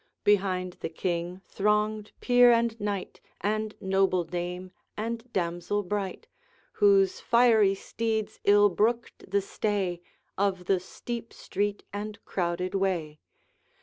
Behind the King thronged peer and knight, And noble dame and damsel bright, Whose fiery steeds ill brooked the stay Of the steep street and crowded way.